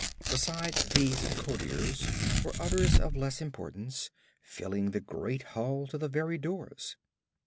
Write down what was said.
Behind these courtiers were others of less importance, filling the great hall to the very doors.